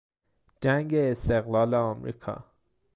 جنگ استقلال امریکا